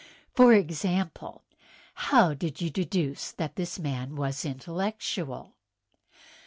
For example, how did you deduce that this man was intellectual?"